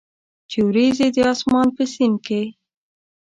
چې اوریځي د اسمان په سیند کې،